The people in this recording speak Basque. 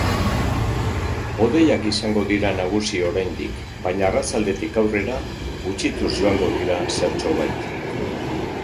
Hodeiak izango dira nagusi oraindik, baina arratsaldetik aurrera gutxituz joango dira zertxobait.